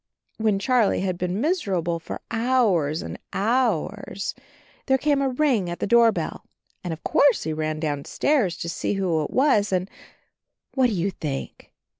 When Charlie had been miserable for hours and hours there came a ring at the doorbell, and of course he ran downstairs to see who it was and — what do you think?